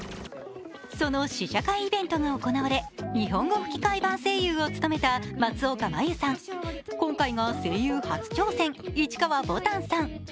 その試写会イベントが行われ日本語吹き替え版声優を務めた松岡茉優さん、今回が声優初挑戦、市川ぼたんさん